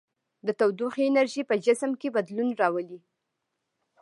د تودوخې انرژي په جسم کې بدلون راولي.